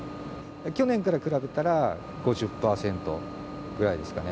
去年から比べたら５０％ぐらいですかね。